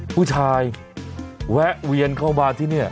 ผู้ชายแวะเวียนเข้ามาที่นี่